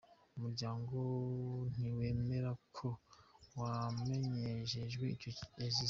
Umuryango ntiwemera ko wamenyeshejwe icyo yazize.